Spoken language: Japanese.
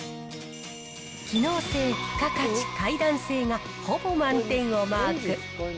機能性、付加価値、快暖性がほぼ満点をマーク。